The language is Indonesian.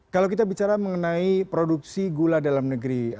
kalau kita bicara mengenai produksi gula dalam negeri